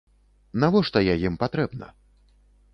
Навошта я ім патрэбна?